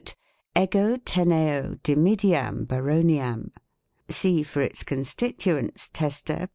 5 " Ego teneo dimidiam baroniam " (see, for its constituents, " Testa," pp.